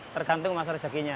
tergantung masa rezekinya